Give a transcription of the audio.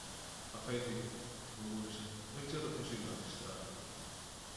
Αφέντη, μουρμούρισε, δεν ξέρω ποιος είναι ο αρχιστράτηγος.